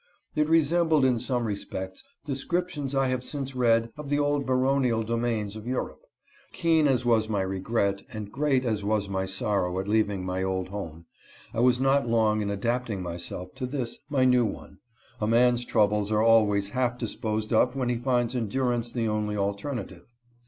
It resembled, in some respects, descriptions I have since read of the old baronial domains of Europe. Keen as was my regret and great as was my sorrow at leaving my old home, I was not long in adapting myself to this my new one. A man's troubles are always half disposed of when he finds endurance the only alternative.